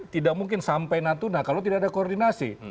tidak mungkin sampai natuna kalau tidak ada koordinasi